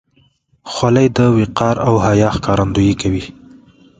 خولۍ د وقار او حیا ښکارندویي کوي.